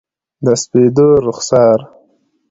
د سپېدو رخسار،